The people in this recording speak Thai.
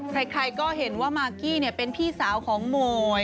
ใครใครก็เห็นว่ามากกี้เนี่ยเป็นพี่สาวของโหมย